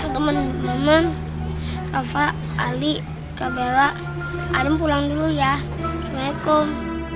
teman teman rafa ali kak bella adam pulang dulu ya assalamualaikum